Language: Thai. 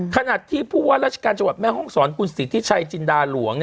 ขณะที่ผู้ว่าราชการจังหวัดแม่ห้องศรคุณสิทธิชัยจินดาหลวง